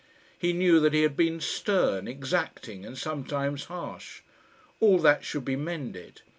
He knew that he had been stern, exacting, and sometimes harsh. All that should be mended.